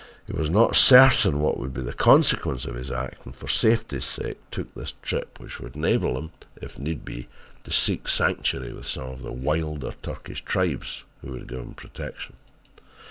He was not certain what would be the consequence of his act, and for safety's sake took this trip, which would enable him if need be to seek sanctuary with some of the wilder Turkish tribes, who would give him protection.